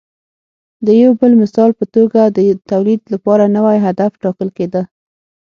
د یو بل مثال په توګه د تولید لپاره نوی هدف ټاکل کېده